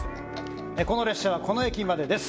この列車はこの駅までです